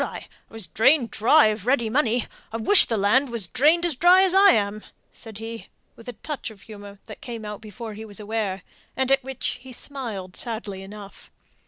I was drained dry of ready money I wish the land was drained as dry as I am," said he, with a touch of humour that came out before he was aware, and at which he smiled sadly enough.